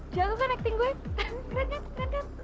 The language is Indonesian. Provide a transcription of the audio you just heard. jago kan acting gue keren kan keren kan